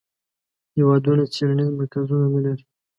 هیوادونه څیړنیز مرکزونه نه لري.